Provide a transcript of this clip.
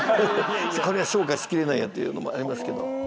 これは昇華し切れないやっていうのもありますけど。